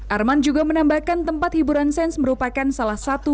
arman juga menambahkan tempat hiburan sains merupakan salah satu